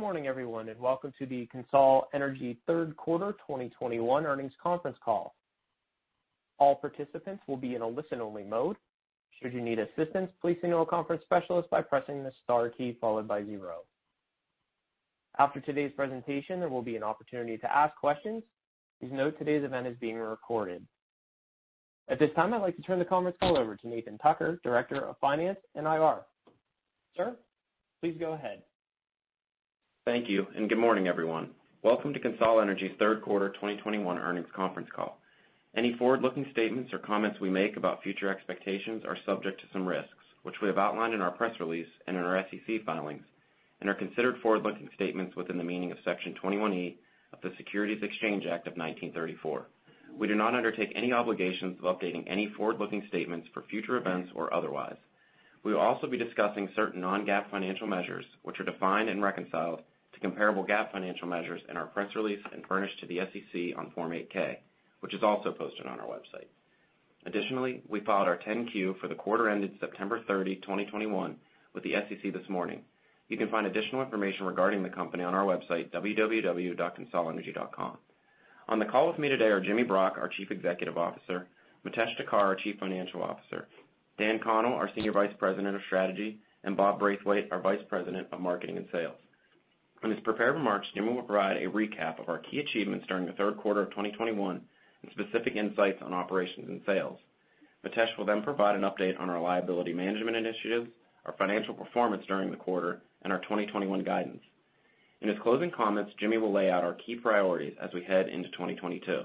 Good morning, everyone, and welcome to the Core Natural Resources Third Quarter 2021 Earnings Conference Call. All participants will be in a listen-only mode. Should you need assistance, please signal a conference specialist by pressing the star key followed by zero. After today's presentation, there will be an opportunity to ask questions. Please note today's event is being recorded. At this time, I'd like to turn the conference call over to Nathan Tucker, Director of Finance and IR. Sir, please go ahead. Thank you, and good morning, everyone. Welcome to Core Natural Resources' Third Quarter 2021 Earnings Conference Call. Any forward-looking statements or comments we make about future expectations are subject to some risks, which we have outlined in our press release and in our SEC filings, and are considered forward-looking statements within the meaning of Section 21(e) of the Securities Exchange Act of 1934. We do not undertake any obligations of updating any forward-looking statements for future events or otherwise. We will also be discussing certain non-GAAP financial measures, which are defined and reconciled to comparable GAAP financial measures in our press release and furnished to the SEC on Form 8K, which is also posted on our website. Additionally, we filed our 10-Q for the quarter ended September 30, 2021, with the SEC this morning. You can find additional information regarding the company on our website, www.corenaturalresources.com. On the call with me today are Jimmy Brock, our Chief Executive Officer, Mitesh Thakkar, our Chief Financial Officer, Dan Connell, our Senior Vice President of Strategy, and Bob Braithwaite, our Vice President of Marketing and Sales. In his prepared remarks, Jimmy will provide a recap of our key achievements during the third quarter of 2021 and specific insights on operations and sales. Mitesh will then provide an update on our liability management initiatives, our financial performance during the quarter, and our 2021 guidance. In his closing comments, Jimmy will lay out our key priorities as we head into 2022.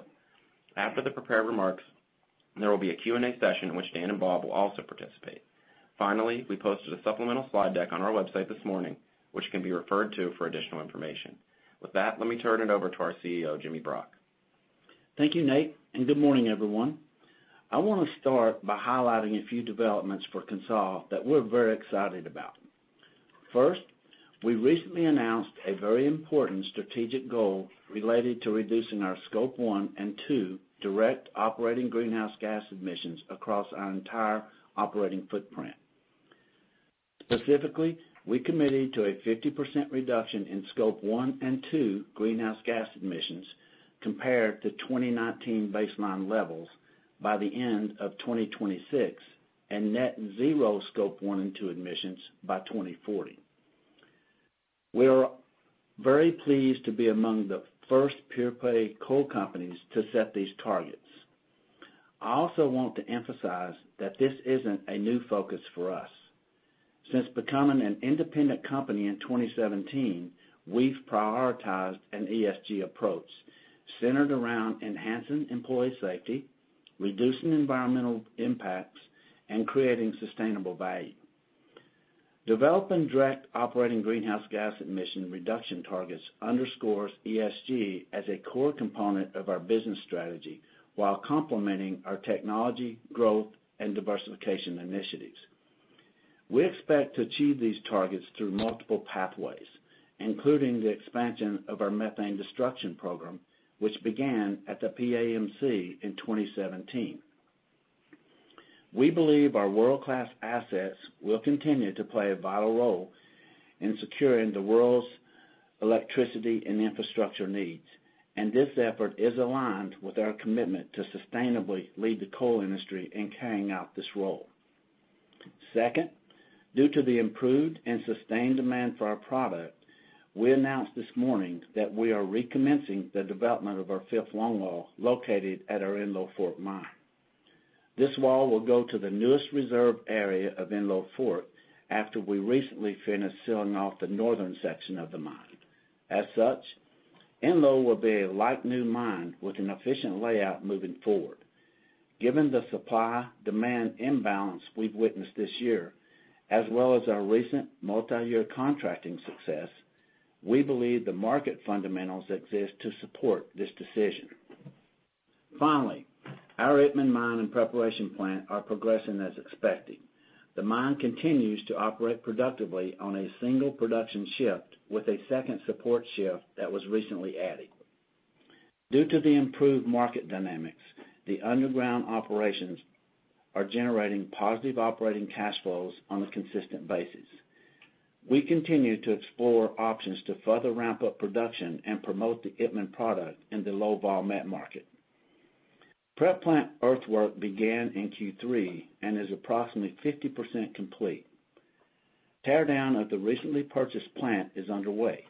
After the prepared remarks, there will be a Q&A session in which Dan and Bob will also participate. Finally, we posted a supplemental slide deck on our website this morning, which can be referred to for additional information. With that, let me turn it over to our CEO, Jimmy Brock. Thank you, Nate, and good morning, everyone. I want to start by highlighting a few developments for Core Natural Resources that we're very excited about. First, we recently announced a very important strategic goal related to reducing our scope one and two direct operating greenhouse gas emissions across our entire operating footprint. Specifically, we committed to a 50% reduction in scope one and two greenhouse gas emissions compared to 2019 baseline levels by the end of 2026 and net zero scope one and two emissions by 2040. We are very pleased to be among the first pure-play coal companies to set these targets. I also want to emphasize that this isn't a new focus for us. Since becoming an independent company in 2017, we've prioritized an ESG approach centered around enhancing employee safety, reducing environmental impacts, and creating sustainable value. Developing direct operating greenhouse gas emission reduction targets underscores ESG as a core component of our business strategy while complementing our technology, growth, and diversification initiatives. We expect to achieve these targets through multiple pathways, including the expansion of our methane destruction program, which began at the PAMC in 2017. We believe our world-class assets will continue to play a vital role in securing the world's electricity and infrastructure needs, and this effort is aligned with our commitment to sustainably lead the coal industry in carrying out this role. Second, due to the improved and sustained demand for our product, we announced this morning that we are recommencing the development of our fifth longwall located at our Enlow Fork Mine. This wall will go to the newest reserve area of Enlow Fork after we recently finished sealing off the northern section of the mine. As such, Itmann will be a like-new mine with an efficient layout moving forward. Given the supply-demand imbalance we've witnessed this year, as well as our recent multi-year contracting success, we believe the market fundamentals exist to support this decision. Finally, our Itmann mine and preparation plant are progressing as expected. The mine continues to operate productively on a single production shift with a second support shift that was recently added. Due to the improved market dynamics, the underground operations are generating positive operating cash flows on a consistent basis. We continue to explore options to further ramp up production and promote the Itmann product in the low-vol met market. Prep plant earthwork began in Q3 and is approximately 50% complete. Tear down of the recently purchased plant is underway,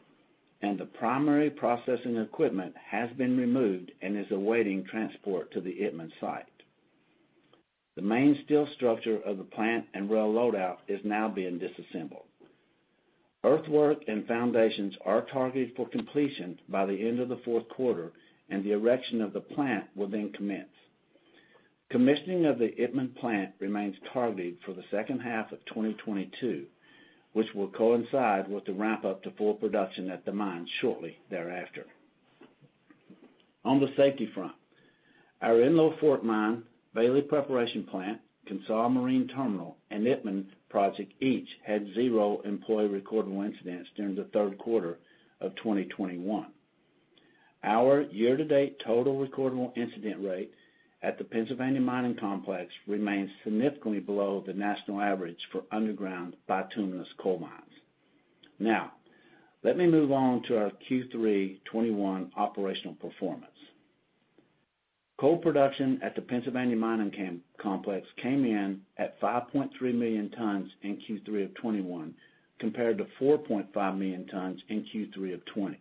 and the primary processing equipment has been removed and is awaiting transport to the Itmann site. The main steel structure of the plant and rail loadout is now being disassembled. Earthwork and foundations are targeted for completion by the end of the fourth quarter, and the erection of the plant will then commence. Commissioning of the Itmann plant remains targeted for the second half of 2022, which will coincide with the ramp-up to full production at the mine shortly thereafter. On the safety front, our Enlow Fork mine, Bailey Preparation Plant, Consol Marine Terminal, and Itmann project each had zero employee recordable incidents during the third quarter of 2021. Our year-to-date total recordable incident rate at the Pennsylvania Mining Complex remains significantly below the national average for underground bituminous coal mines. Now, let me move on to our Q3 2021 operational performance. Coal production at the Pennsylvania Mining Complex came in at 5.3 million tons in Q3 of 2021 compared to 4.5 million tons in Q3 of 2020.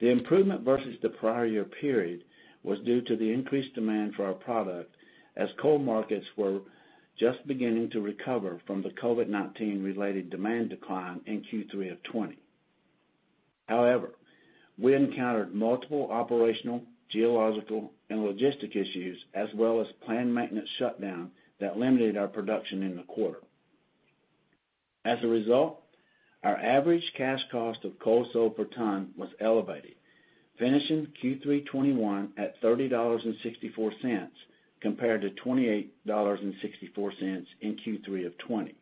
The improvement versus the prior year period was due to the increased demand for our product as coal markets were just beginning to recover from the COVID-19-related demand decline in Q3 of 2020. However, we encountered multiple operational, geological, and logistic issues as well as a planned maintenance shutdown that limited our production in the quarter. As a result, our average cash cost of coal sold per ton was elevated, finishing Q3 2021 at $30.64 compared to $28.64 in Q3 of 2020.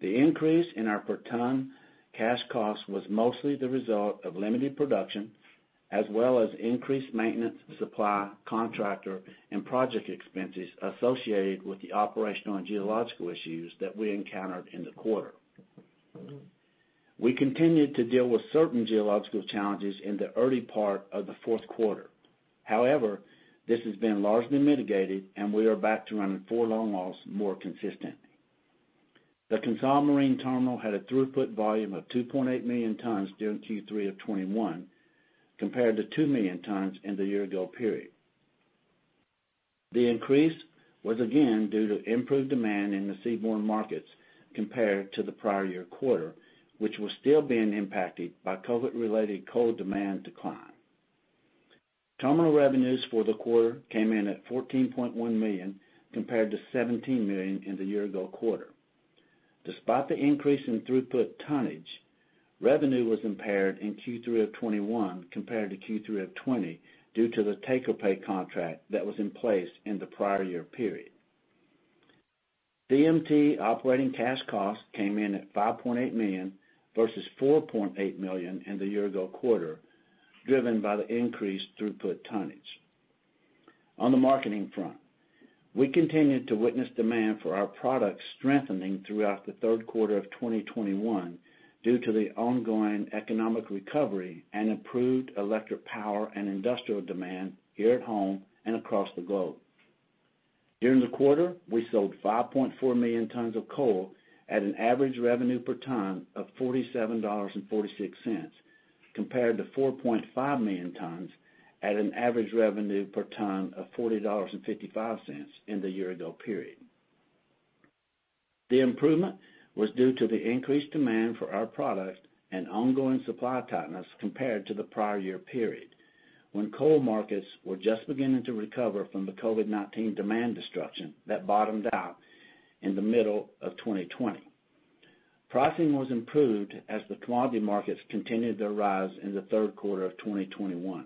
The increase in our per ton cash cost was mostly the result of limited production as well as increased maintenance, supply, contractor, and project expenses associated with the operational and geological issues that we encountered in the quarter. We continued to deal with certain geological challenges in the early part of the fourth quarter. However, this has been largely mitigated, and we are back to running four longwalls more consistently. The Core Marine Terminal had a throughput volume of 2.8 million tons during Q3 of 2021 compared to two million tons in the year-ago period. The increase was again due to improved demand in the seaborne markets compared to the prior year quarter, which was still being impacted by COVID-related coal demand decline. Terminal revenues for the quarter came in at $14.1 million compared to $17 million in the year-ago quarter. Despite the increase in throughput tonnage, revenue was impaired in Q3 of 2021 compared to Q3 of 2020 due to the take-or-pay contract that was in place in the prior year period. DMT operating cash cost came in at $5.8 million versus $4.8 million in the year-ago quarter, driven by the increased throughput tonnage. On the marketing front, we continued to witness demand for our product strengthening throughout the third quarter of 2021 due to the ongoing economic recovery and improved electric power and industrial demand here at home and across the globe. During the quarter, we sold 5.4 million tons of coal at an average revenue per ton of $47.46 compared to 4.5 million tons at an average revenue per ton of $40.55 in the year-ago period. The improvement was due to the increased demand for our product and ongoing supply tightness compared to the prior year period when coal markets were just beginning to recover from the COVID-19 demand destruction that bottomed out in the middle of 2020. Pricing was improved as the commodity markets continued to rise in the third quarter of 2021.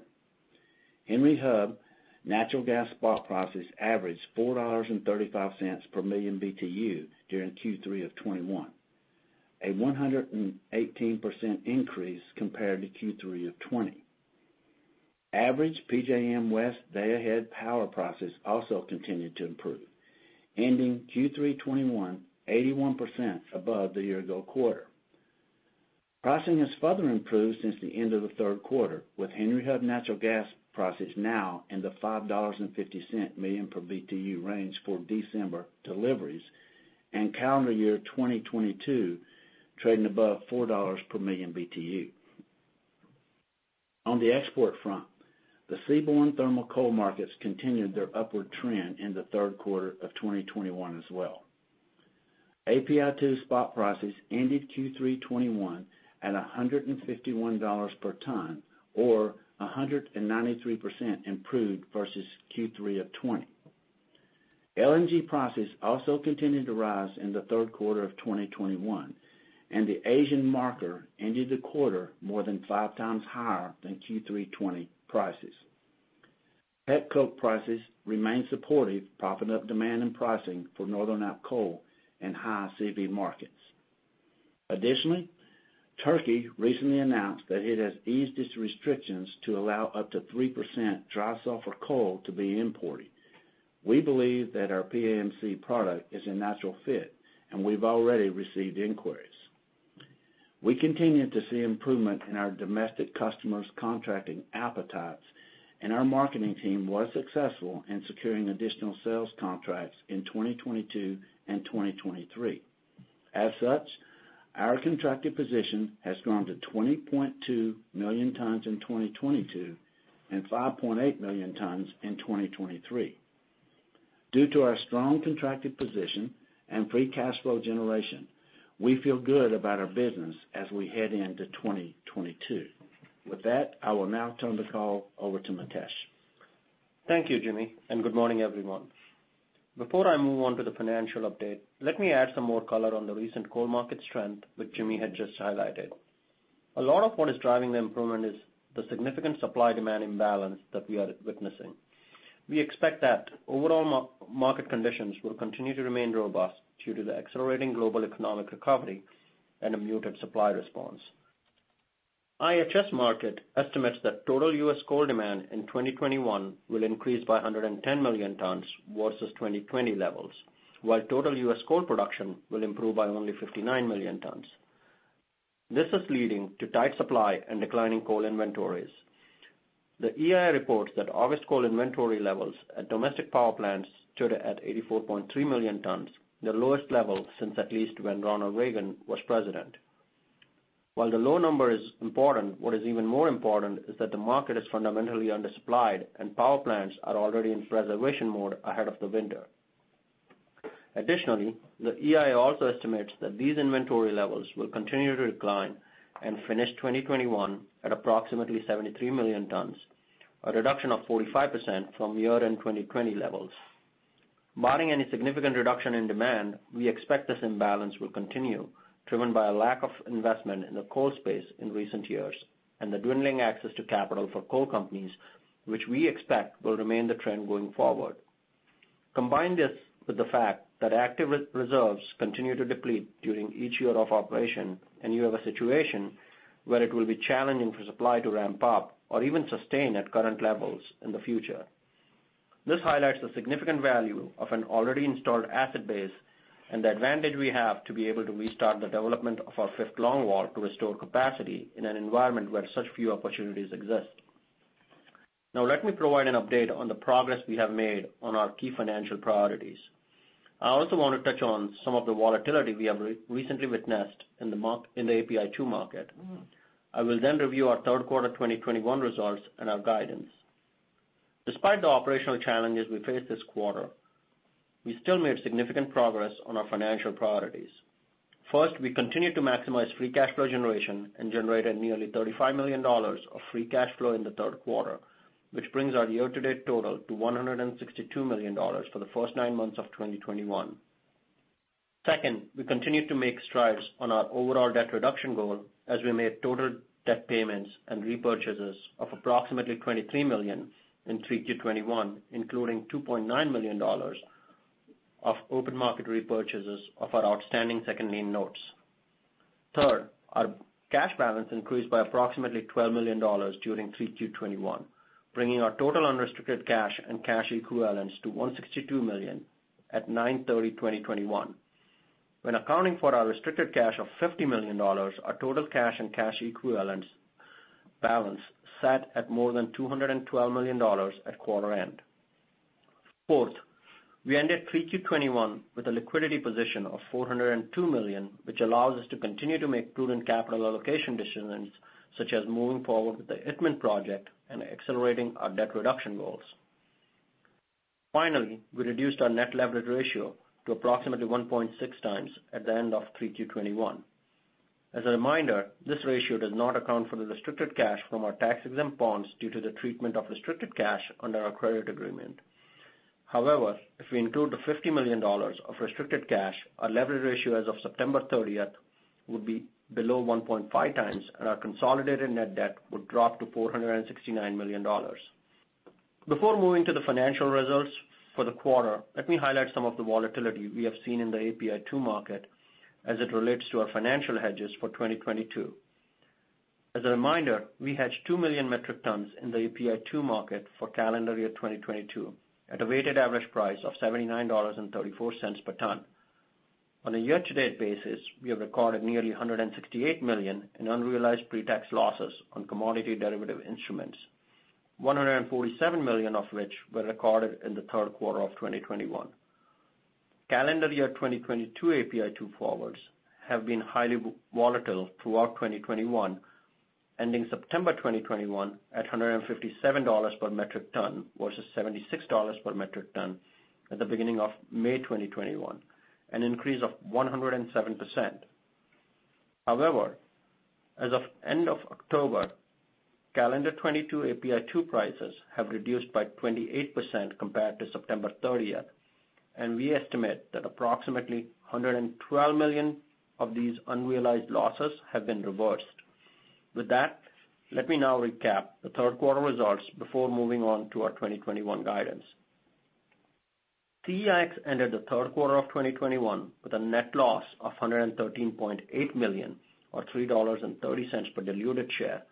Henry Hub natural gas spot prices averaged $4.35 per million BTU during Q3 of 2021, a 118% increase compared to Q3 of 2020. Average PJM West day-ahead power prices also continued to improve, ending Q3 2021 81% above the year-ago quarter. Pricing has further improved since the end of the third quarter, with Henry Hub natural gas prices now in the $5.50 per million BTU range for December deliveries and calendar year 2022 trading above $4 per million BTU. On the export front, the seaborne thermal coal markets continued their upward trend in the third quarter of 2021 as well. API2 spot prices ended Q3 2021 at $151 per ton, or 193% improved versus Q3 of 2020. LNG prices also continued to rise in the third quarter of 2021, and the Asian marker ended the quarter more than five times higher than Q3 2020 prices. Petcoke prices remain supportive, propping up demand and pricing for northern-out coal and high CV markets. Additionally, Turkey recently announced that it has eased its restrictions to allow up to 3% dry sulfur coal to be imported. We believe that our Core Natural Resources product is a natural fit, and we've already received inquiries. We continue to see improvement in our domestic customers' contracting appetites, and our marketing team was successful in securing additional sales contracts in 2022 and 2023. As such, our contracted position has grown to 20.2 million tons in 2022 and 5.8 million tons in 2023. Due to our strong contracted position and free cash flow generation, we feel good about our business as we head into 2022. With that, I will now turn the call over to Mitesh. Thank you, Jimmy, and good morning, everyone. Before I move on to the financial update, let me add some more color on the recent coal market strength, which Jimmy had just highlighted. A lot of what is driving the improvement is the significant supply-demand imbalance that we are witnessing. We expect that overall market conditions will continue to remain robust due to the accelerating global economic recovery and a muted supply response. IHS Markit estimates that total U.S. coal demand in 2021 will increase by 110 million tons versus 2020 levels, while total U.S. coal production will improve by only 59 million tons. This is leading to tight supply and declining coal inventories. The EIA reports that August coal inventory levels at domestic power plants stood at 84.3 million tons, the lowest level since at least when Ronald Reagan was president. While the low number is important, what is even more important is that the market is fundamentally undersupplied, and power plants are already in preservation mode ahead of the winter. Additionally, the EIA also estimates that these inventory levels will continue to decline and finish 2021 at approximately 73 million tons, a reduction of 45% from year-end 2020 levels. Barring any significant reduction in demand, we expect this imbalance will continue, driven by a lack of investment in the coal space in recent years and the dwindling access to capital for coal companies, which we expect will remain the trend going forward. Combine this with the fact that active reserves continue to deplete during each year of operation, and you have a situation where it will be challenging for supply to ramp up or even sustain at current levels in the future. This highlights the significant value of an already installed asset base and the advantage we have to be able to restart the development of our fifth longwall to restore capacity in an environment where such few opportunities exist. Now, let me provide an update on the progress we have made on our key financial priorities. I also want to touch on some of the volatility we have recently witnessed in the API2 market. I will then review our third quarter 2021 results and our guidance. Despite the operational challenges we faced this quarter, we still made significant progress on our financial priorities. First, we continued to maximize free cash flow generation and generated nearly $35 million of free cash flow in the third quarter, which brings our year-to-date total to $162 million for the first nine months of 2021. Second, we continued to make strides on our overall debt reduction goal as we made total debt payments and repurchases of approximately $23 million in Q3 2021, including $2.9 million of open market repurchases of our outstanding second-lien notes. Third, our cash balance increased by approximately $12 million during Q3 2021, bringing our total unrestricted cash and cash equivalents to $162 million at 09/30/2021. When accounting for our restricted cash of $50 million, our total cash and cash equivalents balance sat at more than $212 million at quarter end. Fourth, we ended Q3 2021 with a liquidity position of $402 million, which allows us to continue to make prudent capital allocation decisions such as moving forward with the Itmann project and accelerating our debt reduction goals. Finally, we reduced our net leverage ratio to approximately 1.6 times at the end of Q3 2021. As a reminder, this ratio does not account for the restricted cash from our tax-exempt bonds due to the treatment of restricted cash under our credit agreement. However, if we include the $50 million of restricted cash, our leverage ratio as of September 30th would be below 1.5 times, and our consolidated net debt would drop to $469 million. Before moving to the financial results for the quarter, let me highlight some of the volatility we have seen in the API2 market as it relates to our financial hedges for 2022. As a reminder, we hedged two million metric tons in the API2 market for calendar year 2022 at a weighted average price of $79.34 per ton. On a year-to-date basis, we have recorded nearly $168 million in unrealized pre-tax losses on commodity derivative instruments, $147 million of which were recorded in the third quarter of 2021. Calendar year 2022 API2 forwards have been highly volatile throughout 2021, ending September 2021 at $157 per metric ton versus $76 per metric ton at the beginning of May 2021, an increase of 107%. However, as of end of October, calendar 2022 API2 prices have reduced by 28% compared to September 30th, and we estimate that approximately $112 million of these unrealized losses have been reversed. With that, let me now recap the third quarter results before moving on to our 2021 guidance. Core Natural Resources ended the third quarter of 2021 with a net loss of $113.8 million, or $3.30 per diluted share,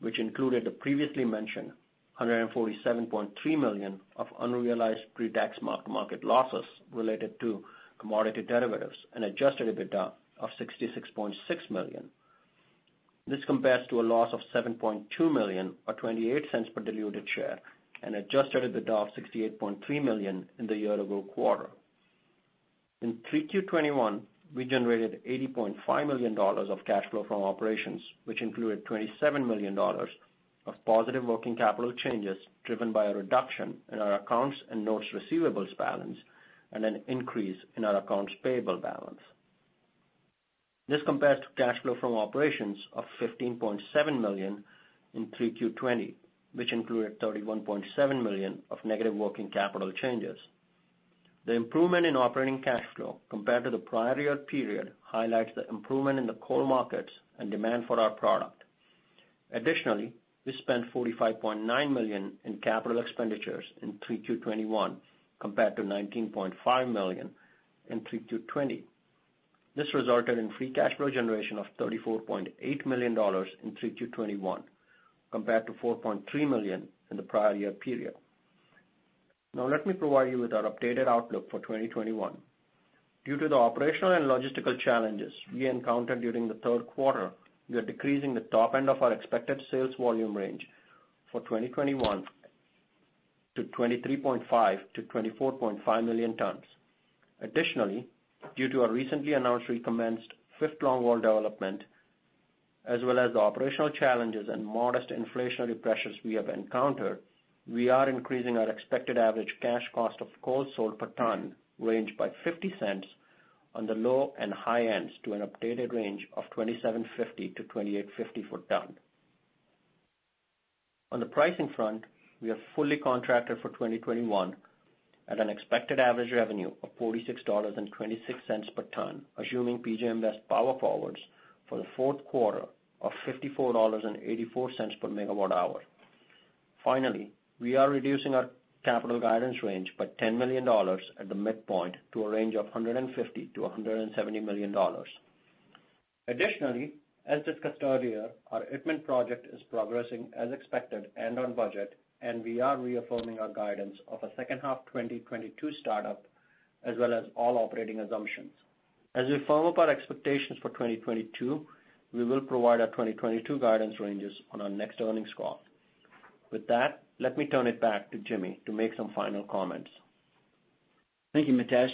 which included the previously mentioned $147.3 million of unrealized pre-tax mark-to-market losses related to commodity derivatives and adjusted EBITDA of $66.6 million. This compares to a loss of $7.2 million, or $0.28 per diluted share, and adjusted EBITDA of $68.3 million in the year-ago quarter. In Q3 2021, we generated $80.5 million of cash flow from operations, which included $27 million of positive working capital changes driven by a reduction in our accounts and notes receivables balance and an increase in our accounts payable balance. This compares to cash flow from operations of $15.7 million in Q3 2020, which included $31.7 million of negative working capital changes. The improvement in operating cash flow compared to the prior year period highlights the improvement in the coal markets and demand for our product. Additionally, we spent $45.9 million in capital expenditures in Q3 2021 compared to $19.5 million in Q3 2020. This resulted in free cash flow generation of $34.8 million in Q3 2021 compared to $4.3 million in the prior year period. Now, let me provide you with our updated outlook for 2021. Due to the operational and logistical challenges we encountered during the third quarter, we are decreasing the top end of our expected sales volume range for 2021 to 23.5-24.5 million tons. Additionally, due to our recently announced recommenced fifth longwall development, as well as the operational challenges and modest inflationary pressures we have encountered, we are increasing our expected average cash cost of coal sold per ton range by $0.50 on the low and high ends to an updated range of $27.50-$28.50 per ton. On the pricing front, we have fully contracted for 2021 at an expected average revenue of $46.26 per ton, assuming PJM West power forwards for the fourth quarter of $54.84 per megawatt hour. Finally, we are reducing our capital guidance range by $10 million at the midpoint to a range of $150-$170 million. Additionally, as discussed earlier, our Itmann project is progressing as expected and on budget, and we are reaffirming our guidance of a second half 2022 startup, as well as all operating assumptions. As we firm up our expectations for 2022, we will provide our 2022 guidance ranges on our next earnings call. With that, let me turn it back to Jimmy to make some final comments. Thank you, Mitesh.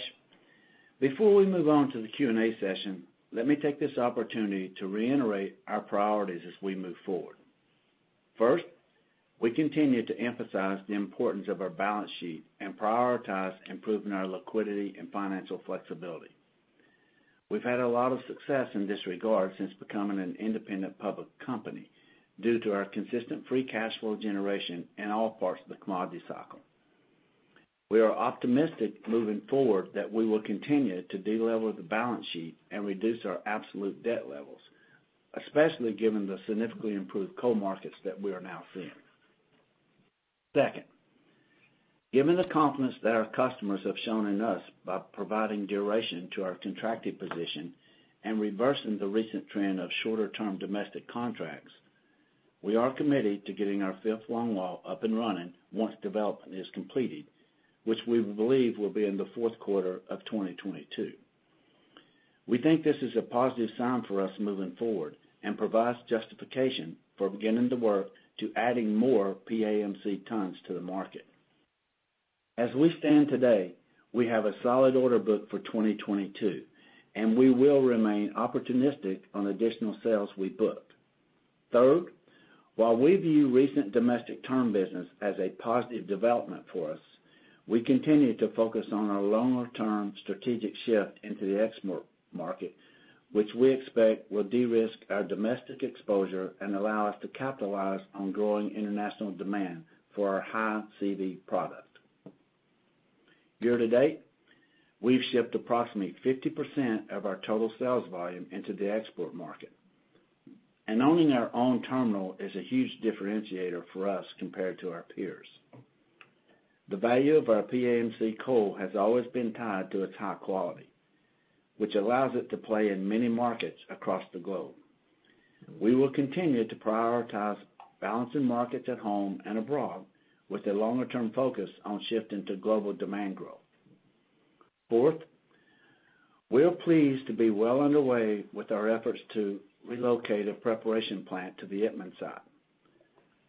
Before we move on to the Q&A session, let me take this opportunity to reiterate our priorities as we move forward. First, we continue to emphasize the importance of our balance sheet and prioritize improving our liquidity and financial flexibility. We've had a lot of success in this regard since becoming an independent public company due to our consistent free cash flow generation in all parts of the commodity cycle. We are optimistic moving forward that we will continue to de-level the balance sheet and reduce our absolute debt levels, especially given the significantly improved coal markets that we are now seeing. Second, given the confidence that our customers have shown in us by providing duration to our contracted position and reversing the recent trend of shorter-term domestic contracts, we are committed to getting our fifth longwall up and running once development is completed, which we believe will be in the fourth quarter of 2022. We think this is a positive sign for us moving forward and provides justification for beginning to work to adding more PAMC tons to the market. As we stand today, we have a solid order book for 2022, and we will remain opportunistic on additional sales we booked. Third, while we view recent domestic term business as a positive development for us, we continue to focus on our longer-term strategic shift into the export market, which we expect will de-risk our domestic exposure and allow us to capitalize on growing international demand for our high CV product. Year-to-date, we've shipped approximately 50% of our total sales volume into the export market, and owning our own terminal is a huge differentiator for us compared to our peers. The value of our PAMC coal has always been tied to its high quality, which allows it to play in many markets across the globe. We will continue to prioritize balancing markets at home and abroad with a longer-term focus on shifting to global demand growth. Fourth, we are pleased to be well underway with our efforts to relocate a preparation plant to the Itmann site.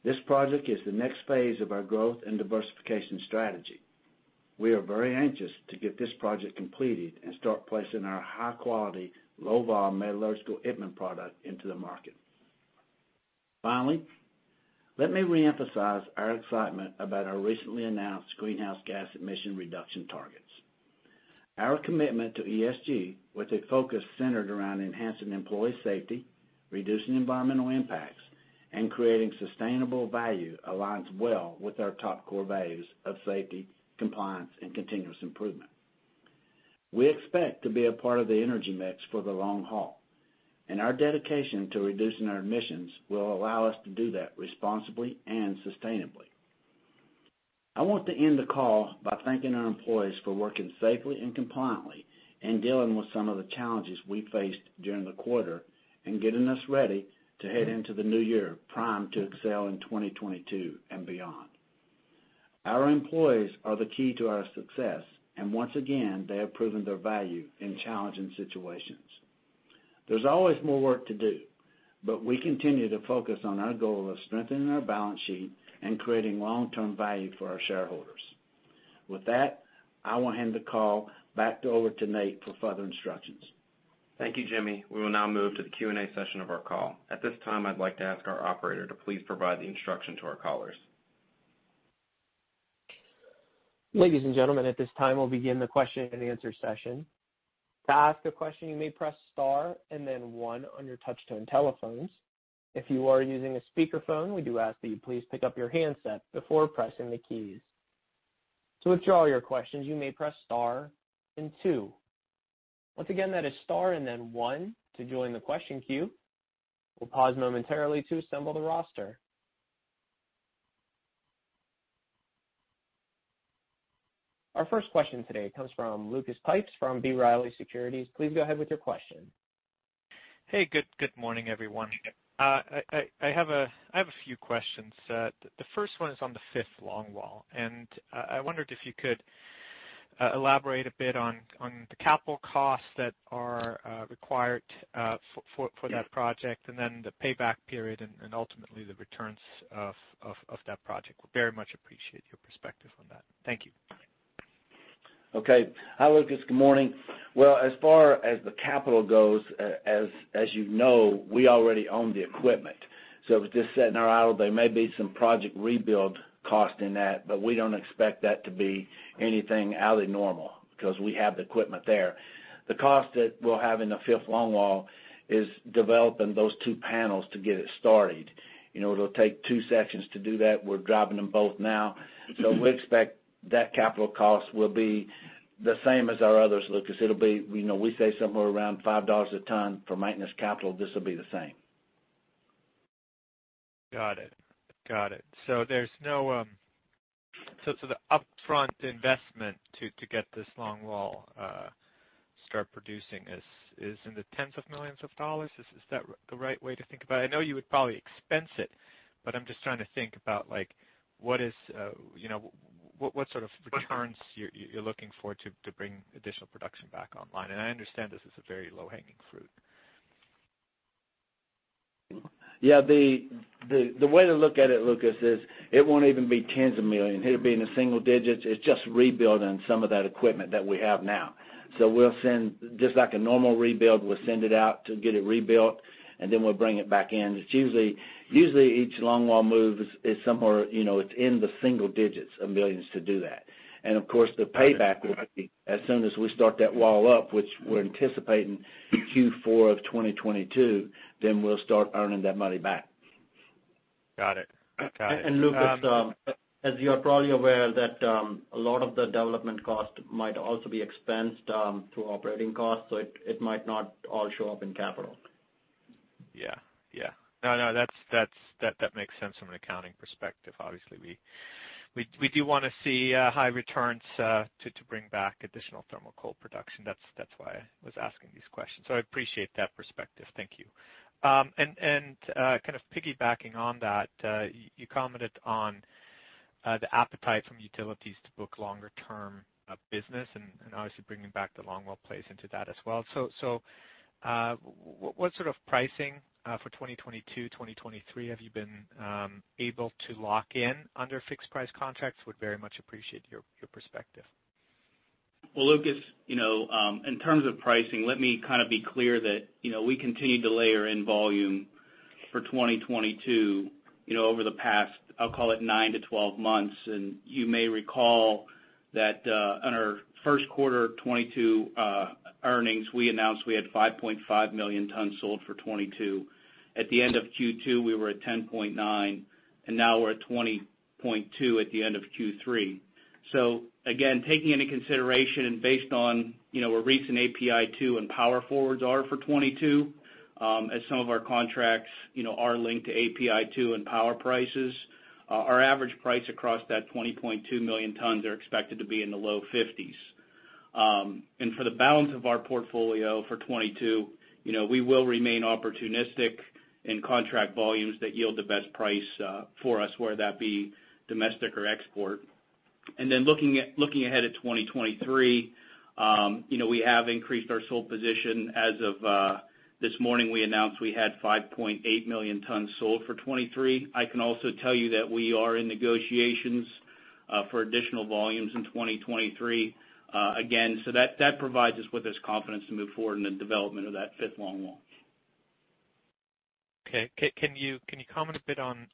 This project is the next phase of our growth and diversification strategy. We are very anxious to get this project completed and start placing our high-quality low-vol metallurgical Itmann product into the market. Finally, let me reemphasize our excitement about our recently announced greenhouse gas emission reduction targets. Our commitment to ESG, with a focus centered around enhancing employee safety, reducing environmental impacts, and creating sustainable value, aligns well with our top core values of safety, compliance, and continuous improvement. We expect to be a part of the energy mix for the long haul, and our dedication to reducing our emissions will allow us to do that responsibly and sustainably. I want to end the call by thanking our employees for working safely and compliantly and dealing with some of the challenges we faced during the quarter and getting us ready to head into the new year primed to excel in 2022 and beyond. Our employees are the key to our success, and once again, they have proven their value in challenging situations. There's always more work to do, but we continue to focus on our goal of strengthening our balance sheet and creating long-term value for our shareholders. With that, I will hand the call back over to Nate for further instructions. Thank you, Jimmy. We will now move to the Q&A session of our call. At this time, I'd like to ask our operator to please provide the instruction to our callers. Ladies and gentlemen, at this time, we'll begin the question and answer session. To ask a question, you may press star and then one on your touch-tone telephones. If you are using a speakerphone, we do ask that you please pick up your handset before pressing the keys. To withdraw your questions, you may press star and two. Once again, that is star and then one to join the question queue. We'll pause momentarily to assemble the roster. Our first question today comes from Lucas Pipes from B. Riley Securities. Please go ahead with your question. Hey, good morning, everyone. I have a few questions. The first one is on the fifth longwall, and I wondered if you could elaborate a bit on the capital costs that are required for that project, and then the payback period and ultimately the returns of that project. We very much appreciate your perspective on that. Thank you. Okay. Hi, Lucas. Good morning. As far as the capital goes, as you know, we already own the equipment. Just setting our out, there may be some project rebuild cost in that, but we do not expect that to be anything out of the normal because we have the equipment there. The cost that we will have in the fifth longwall is developing those two panels to get it started. It will take two sections to do that. We are driving them both now. We expect that capital cost will be the same as our others, Lucas. It will be, we say, somewhere around $5 a ton for maintenance capital. This will be the same. Got it. Got it. There is no, so the upfront investment to get this longwall to start producing is in the tens of millions of dollars. Is that the right way to think about it? I know you would probably expense it, but I'm just trying to think about what is, what sort of returns you're looking for to bring additional production back online. I understand this is a very low-hanging fruit. Yeah. The way to look at it, Lucas, is it will not even be tens of millions. It will be in the single digits. It is just rebuilding some of that equipment that we have now. We will send just like a normal rebuild, we will send it out to get it rebuilt, and then we will bring it back in. Usually, each longwall move is somewhere in the single digits of millions to do that. Of course, the payback will be as soon as we start that wall up, which we are anticipating Q4 of 2022, then we will start earning that money back. Got it. Got it. Lucas, as you're probably aware, a lot of the development cost might also be expensed through operating costs, so it might not all show up in capital. Yeah. No, that makes sense from an accounting perspective. Obviously, we do want to see high returns to bring back additional thermal coal production. That is why I was asking these questions. I appreciate that perspective. Thank you. Kind of piggybacking on that, you commented on the appetite from utilities to book longer-term business and obviously bringing back the longwall place into that as well. What sort of pricing for 2022, 2023 have you been able to lock in under fixed-price contracts? Would very much appreciate your perspective. Lucas, in terms of pricing, let me kind of be clear that we continue to layer in volume for 2022 over the past, I'll call it nine to 12 months. You may recall that on our first quarter 2022 earnings, we announced we had 5.5 million tons sold for 2022. At the end of Q2, we were at 10.9, and now we're at 20.2 at the end of Q3. Again, taking into consideration and based on where recent API2 and Power Forwards are for 2022, as some of our contracts are linked to API2 and power prices, our average price across that 20.2 million tons are expected to be in the low 50s. For the balance of our portfolio for 2022, we will remain opportunistic in contract volumes that yield the best price for us, whether that be domestic or export. Looking ahead at 2023, we have increased our sold position. As of this morning, we announced we had 5.8 million tons sold for 2023. I can also tell you that we are in negotiations for additional volumes in 2023. Again, that provides us with this confidence to move forward in the development of that fifth longwall. Okay. Can you comment a bit on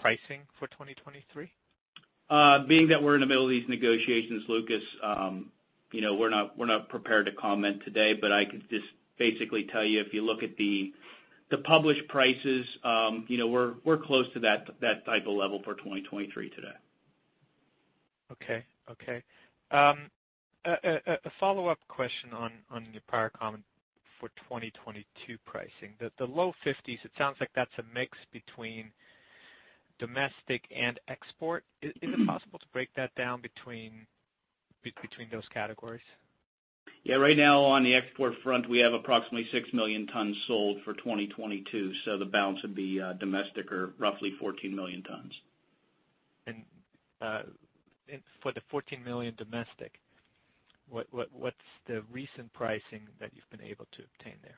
pricing for 2023? Being that we're in the middle of these negotiations, Lucas, we're not prepared to comment today, but I could just basically tell you if you look at the published prices, we're close to that type of level for 2023 today. Okay. Okay. A follow-up question on your prior comment for 2022 pricing. The low 50s, it sounds like that's a mix between domestic and export. Is it possible to break that down between those categories? Yeah. Right now, on the export front, we have approximately 6 million tons sold for 2022. The balance would be domestic or roughly 14 million tons. For the 14 million domestic, what's the recent pricing that you've been able to obtain there?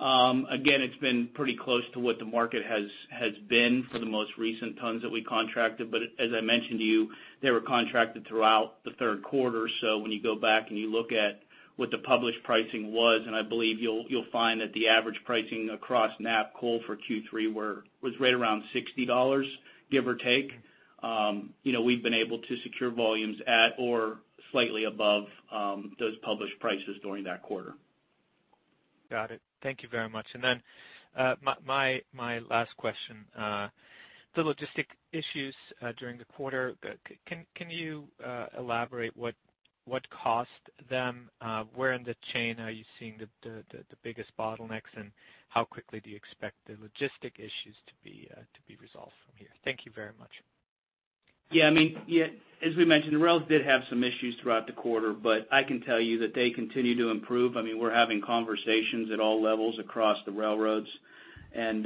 Again, it's been pretty close to what the market has been for the most recent tons that we contracted. As I mentioned to you, they were contracted throughout the third quarter. When you go back and you look at what the published pricing was, I believe you'll find that the average pricing across NAP coal for Q3 was right around $60, give or take. We've been able to secure volumes at or slightly above those published prices during that quarter. Got it. Thank you very much. My last question. The logistic issues during the quarter, can you elaborate what caused them? Where in the chain are you seeing the biggest bottlenecks, and how quickly do you expect the logistic issues to be resolved from here? Thank you very much. Yeah. I mean, as we mentioned, the rails did have some issues throughout the quarter, but I can tell you that they continue to improve. I mean, we're having conversations at all levels across the railroads, and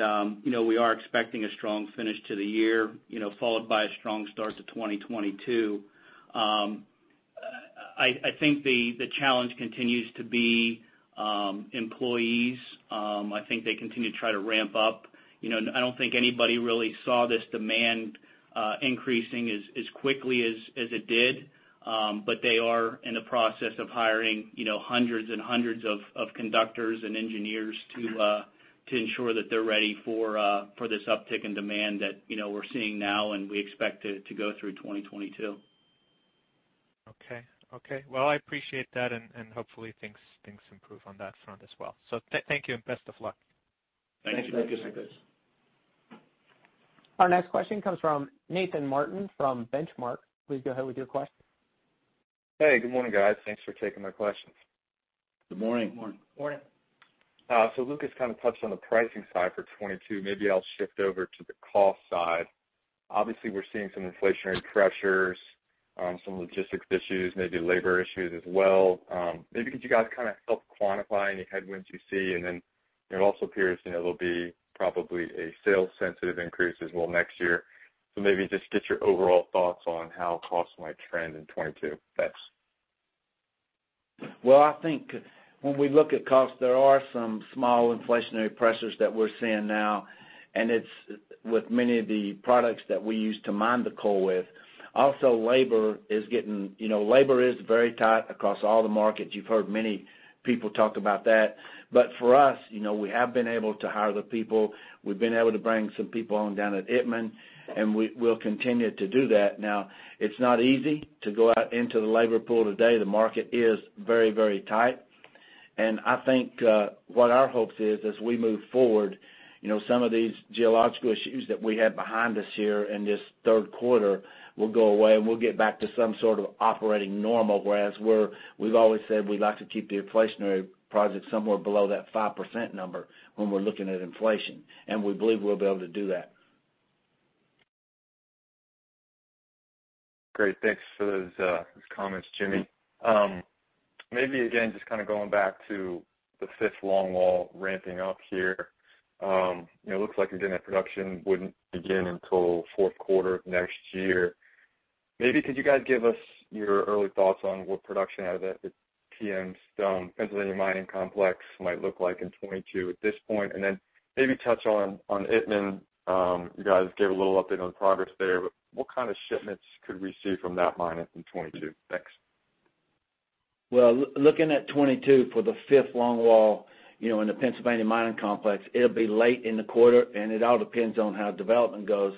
we are expecting a strong finish to the year followed by a strong start to 2022. I think the challenge continues to be employees. I think they continue to try to ramp up. I do not think anybody really saw this demand increasing as quickly as it did, but they are in the process of hiring hundreds and hundreds of conductors and engineers to ensure that they're ready for this uptick in demand that we're seeing now, and we expect to go through 2022. Okay. Okay. I appreciate that, and hopefully, things improve on that front as well. Thank you, and best of luck. Thank you. Thank you. Thank you. Our next question comes from Nathan Martin from Benchmark. Please go ahead with your question. Hey. Good morning, guys. Thanks for taking my questions. Good morning. Good morning. Good morning. Lucas kind of touched on the pricing side for 2022. Maybe I'll shift over to the cost side. Obviously, we're seeing some inflationary pressures, some logistics issues, maybe labor issues as well. Maybe could you guys kind of help quantify any headwinds you see? It also appears there will be probably a sales-sensitive increase as well next year. Maybe just get your overall thoughts on how costs might trend in 2022. Thanks. I think when we look at costs, there are some small inflationary pressures that we're seeing now, and it's with many of the products that we use to mine the coal with. Also, labor is very tight across all the markets. You've heard many people talk about that. For us, we have been able to hire the people. We've been able to bring some people on down at Itmann, and we'll continue to do that. Now, it's not easy to go out into the labor pool today. The market is very, very tight. I think what our hopes is, as we move forward, some of these geological issues that we had behind us here in this third quarter will go away, and we'll get back to some sort of operating normal, whereas we've always said we'd like to keep the inflationary project somewhere below that 5% number when we're looking at inflation. We believe we'll be able to do that. Great. Thanks for those comments, Jimmy. Maybe again, just kind of going back to the fifth longwall ramping up here. It looks like again, that production wouldn't begin until fourth quarter of next year. Maybe could you guys give us your early thoughts on what production out of that team's Pennsylvania Mining Complex might look like in 2022 at this point? And then maybe touch on Itmann. You guys gave a little update on the progress there, but what kind of shipments could we see from that mine in 2022? Thanks. Looking at 2022 for the fifth longwall in the Pennsylvania Mining Complex, it will be late in the quarter, and it all depends on how development goes.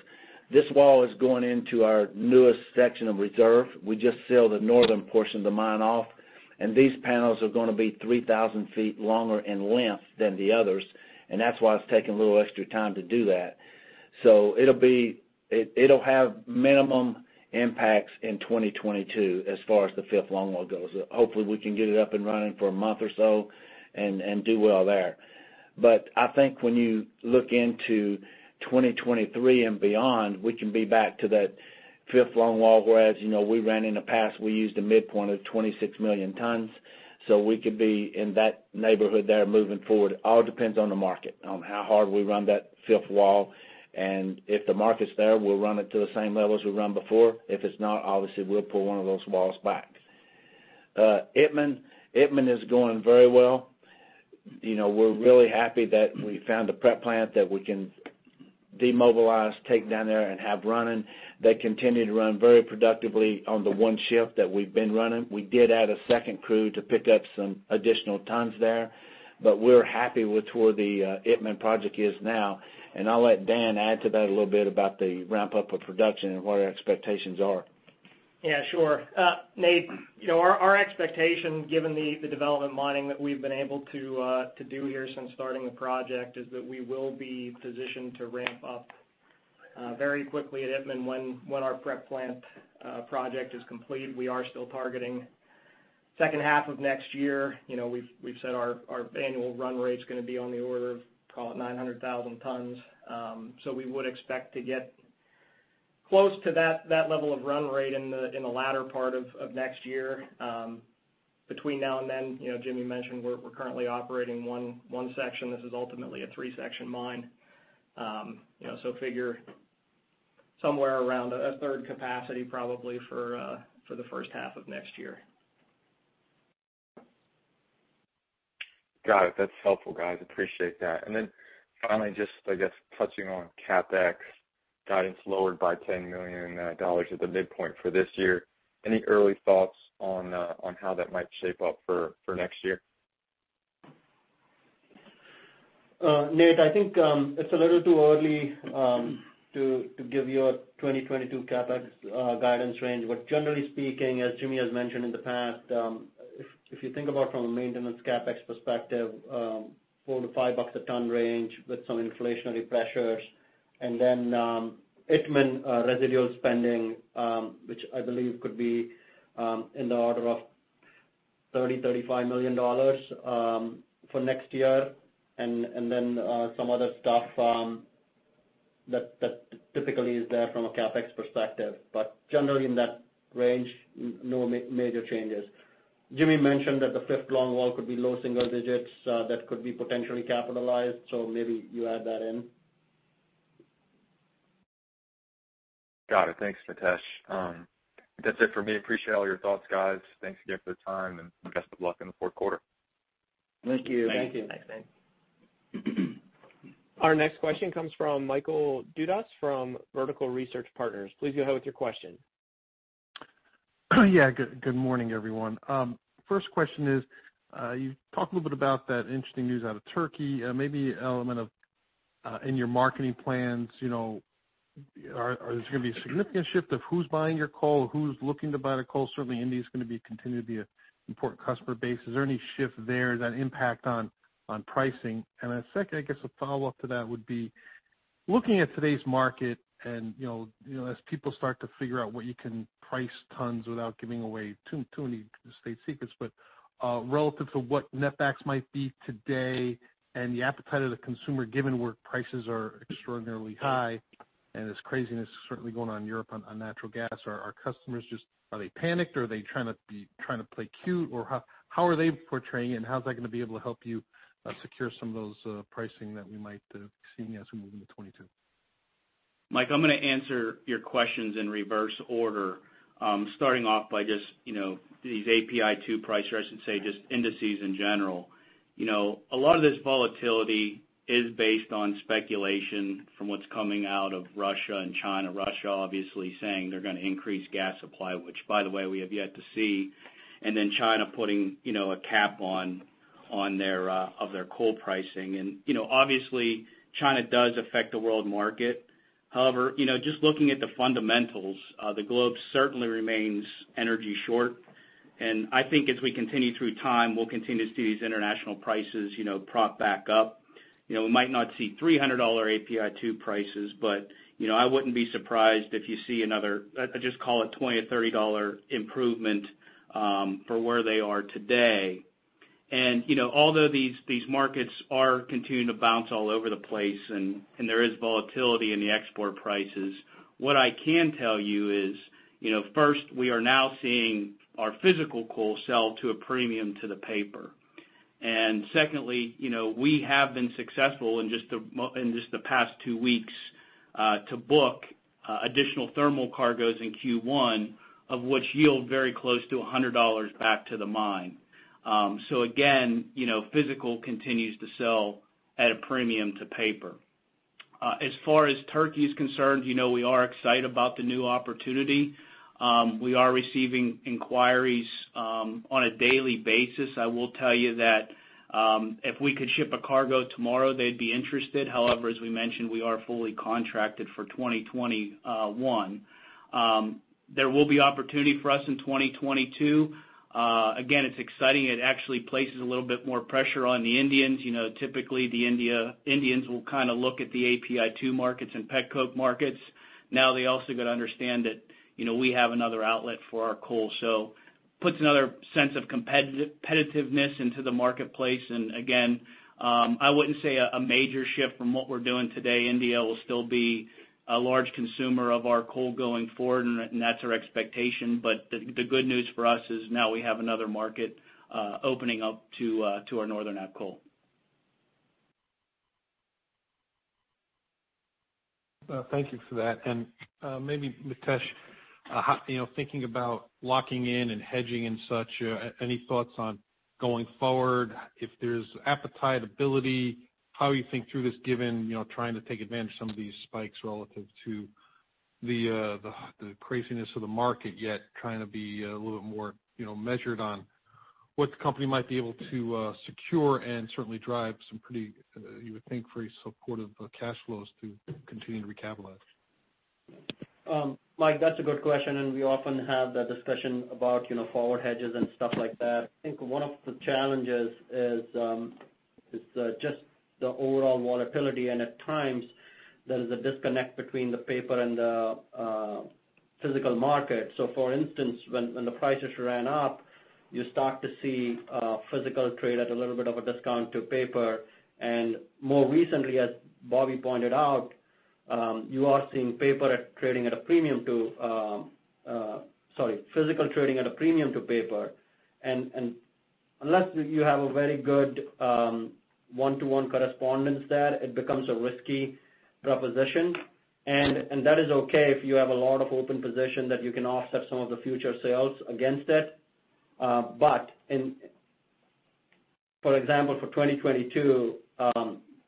This wall is going into our newest section of reserve. We just sealed the northern portion of the mine off, and these panels are going to be 3,000 feet longer in length than the others. That is why it is taking a little extra time to do that. It will have minimum impacts in 2022 as far as the fifth longwall goes. Hopefully, we can get it up and running for a month or so and do well there. I think when you look into 2023 and beyond, we can be back to that fifth longwall, whereas we ran in the past, we used a midpoint of 26 million tons. We could be in that neighborhood there moving forward. It all depends on the market, on how hard we run that fifth wall. If the market's there, we'll run it to the same level as we ran before. If it's not, obviously, we'll pull one of those walls back. Itmann is going very well. We're really happy that we found a prep plant that we can demobilize, take down there, and have running. They continue to run very productively on the one shift that we've been running. We did add a second crew to pick up some additional tons there, but we're happy with where the Itmann project is now. I'll let Dan add to that a little bit about the ramp-up of production and what our expectations are. Yeah. Sure. Nate, our expectation, given the development mining that we've been able to do here since starting the project, is that we will be positioned to ramp up very quickly at Itmann when our prep plant project is complete. We are still targeting the second half of next year. We've said our annual run rate's going to be on the order of, call it, 900,000 tons. We would expect to get close to that level of run rate in the latter part of next year. Between now and then, Jimmy mentioned we're currently operating one section. This is ultimately a three-section mine. Figure somewhere around a third capacity probably for the first half of next year. Got it. That's helpful, guys. Appreciate that. Finally, just I guess touching on CapEx, guidance lowered by $10 million at the midpoint for this year. Any early thoughts on how that might shape up for next year? Nate, I think it's a little too early to give you a 2022 CapEx guidance range. Generally speaking, as Jimmy has mentioned in the past, if you think about from a maintenance CapEx perspective, $4-$5 a ton range with some inflationary pressures, and then Itmann residual spending, which I believe could be in the order of $30-$35 million for next year, and then some other stuff that typically is there from a CapEx perspective. Generally in that range, no major changes. Jimmy mentioned that the fifth longwall could be low single digits that could be potentially capitalized. Maybe you add that in. Got it. Thanks, Mitesh. That's it for me. Appreciate all your thoughts, guys. Thanks again for the time, and best of luck in the fourth quarter. Thank you. Thank you. Thanks. Thanks. Our next question comes from Michael Dudas from Vertical Research Partners. Please go ahead with your question. Yeah. Good morning, everyone. First question is, you talked a little bit about that interesting news out of Turkey. Maybe an element of in your marketing plans, is there going to be a significant shift of who's buying your coal, who's looking to buy the coal? Certainly, India is going to continue to be an important customer base. Is there any shift there? Does that impact on pricing? A second, I guess a follow-up to that would be, looking at today's market, and as people start to figure out what you can price tons without giving away too many state secrets, but relative to what netbacks might be today and the appetite of the consumer, given where prices are extraordinarily high and this craziness certainly going on in Europe on natural gas, are customers just are they panicked or are they trying to play cute? How are they portraying it, and how's that going to be able to help you secure some of those pricing that we might be seeing as we move into 2022? Mike, I'm going to answer your questions in reverse order, starting off by just these API2 pricers, I should say, just indices in general. A lot of this volatility is based on speculation from what's coming out of Russia and China. Russia, obviously, saying they're going to increase gas supply, which, by the way, we have yet to see. China putting a cap on their coal pricing. Obviously, China does affect the world market. However, just looking at the fundamentals, the globe certainly remains energy short. I think as we continue through time, we'll continue to see these international prices prop back up. We might not see $300 API2 prices, but I wouldn't be surprised if you see another, I just call it, $20 or $30 improvement for where they are today. Although these markets are continuing to bounce all over the place and there is volatility in the export prices, what I can tell you is, first, we are now seeing our physical coal sell to a premium to the paper. Secondly, we have been successful in just the past two weeks to book additional thermal cargoes in Q1, of which yield very close to $100 back to the mine. Physical continues to sell at a premium to paper. As far as Turkey is concerned, we are excited about the new opportunity. We are receiving inquiries on a daily basis. I will tell you that if we could ship a cargo tomorrow, they'd be interested. However, as we mentioned, we are fully contracted for 2021. There will be opportunity for us in 2022. It is exciting. It actually places a little bit more pressure on the Indians. Typically, the Indians will kind of look at the API2 markets and PETCO markets. Now they also got to understand that we have another outlet for our coal. So it puts another sense of competitiveness into the marketplace. I would not say a major shift from what we are doing today. India will still be a large consumer of our coal going forward, and that is our expectation. The good news for us is now we have another market opening up to our northern app coal. Thank you for that. Maybe, Mitesh, thinking about locking in and hedging and such, any thoughts on going forward? If there is appetite, ability, how you think through this given trying to take advantage of some of these spikes relative to the craziness of the market, yet trying to be a little bit more measured on what the company might be able to secure and certainly drive some pretty, you would think, very supportive cash flows to continue to recapitalize? Mike, that's a good question. We often have that discussion about forward hedges and stuff like that. I think one of the challenges is just the overall volatility. At times, there is a disconnect between the paper and the physical market. For instance, when the prices ran up, you start to see physical trade at a little bit of a discount to paper. More recently, as Bobby pointed out, you are seeing paper trading at a premium to—sorry, physical trading at a premium to paper. Unless you have a very good one-to-one correspondence there, it becomes a risky proposition. That is okay if you have a lot of open position that you can offset some of the future sales against it. For example, for 2022,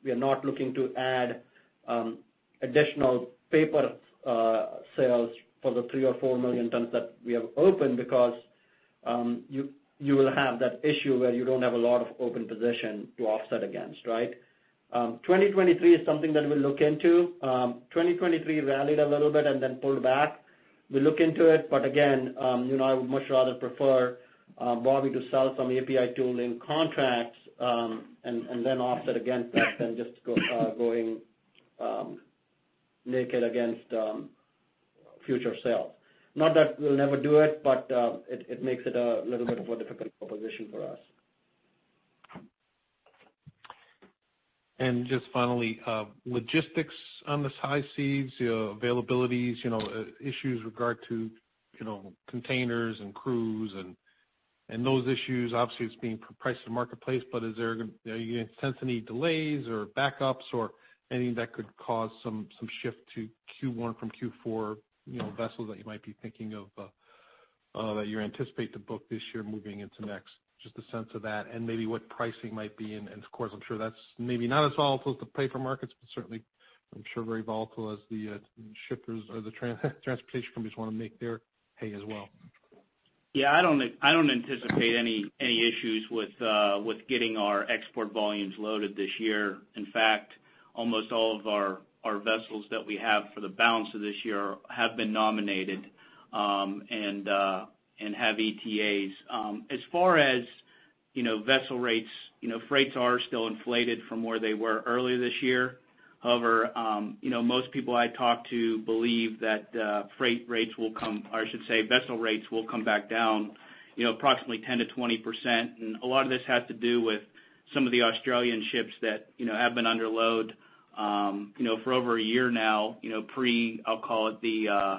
we are not looking to add additional paper sales for the 3 or 4 million tons that we have open because you will have that issue where you do not have a lot of open position to offset against, right? 2023 is something that we will look into. 2023 rallied a little bit and then pulled back. We will look into it. I would much rather prefer Bobby to sell some API2 link contracts and then offset against that than just going naked against future sales. Not that we will never do it, but it makes it a little bit of a difficult proposition for us. Just finally, logistics on the high seas, availabilities, issues with regard to containers and crews and those issues. Obviously, it's being priced in the marketplace, but are you going to sense any delays or backups or anything that could cause some shift to Q1 from Q4 vessels that you might be thinking of that you anticipate to book this year moving into next? Just a sense of that and maybe what pricing might be. Of course, I'm sure that's maybe not as volatile as the paper markets, but certainly, I'm sure very volatile as the shippers or the transportation companies want to make their hay as well. Yeah. I don't anticipate any issues with getting our export volumes loaded this year. In fact, almost all of our vessels that we have for the balance of this year have been nominated and have ETAs. As far as vessel rates, freights are still inflated from where they were earlier this year. However, most people I talk to believe that freight rates will come—or I should say vessel rates will come back down approximately 10-20%. A lot of this has to do with some of the Australian ships that have been under load for over a year now, I'll call it the